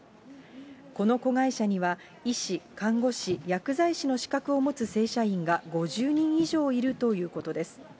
この子会社には医師、看護師、薬剤師の資格を持つ正社員が５０人以上いるということです。